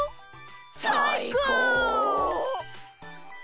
さいこう！